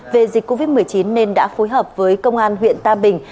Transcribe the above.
nguyễn văn nhật về dịch covid một mươi chín nên đã phối hợp với công an huyện tam bình